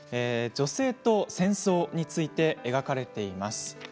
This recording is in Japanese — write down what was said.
女性と戦争について描かれています。